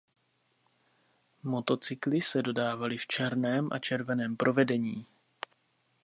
Motocykly se dodávaly v černém a červeném provedení.